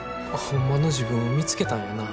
ホンマの自分を見つけたんやな。